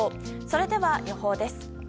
それでは、予報です。